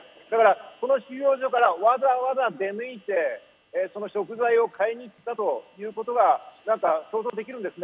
時期を聞いても、この収容所からわざわざ出向いてその食材を買いに行ったということが想像できるんですね。